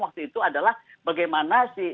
waktu itu adalah bagaimana